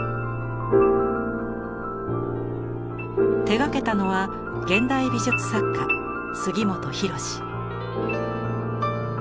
手がけたのは現代美術作家杉本博司。